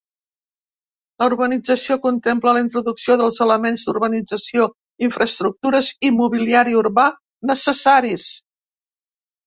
La urbanització contempla la introducció dels elements d’urbanització, infraestructures i mobiliari urbà necessaris.